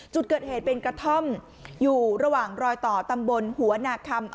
จุดเกิดเหตุเป็นกระท่อมอยู่ระหว่างรอยต่อตำบลหัวนาคำ